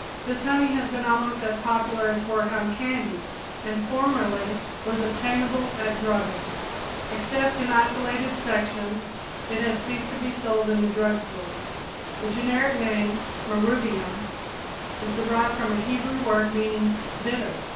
This honey has been almost as popular as hoarhound candy, and formerly was obtainable at druggists. Except in isolated sections, it has ceased to be sold in the drug stores. The generic name Marrubium is derived from a Hebrew word meaning bitter.